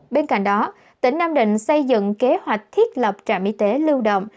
bên cạnh đó tỉnh nam định xây dựng kế hoạch thiết lập trạm y tế lưu động